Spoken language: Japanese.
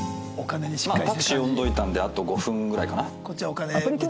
タクシー呼んどいたんであと５分ぐらいかな。